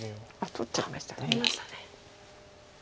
取っちゃいました。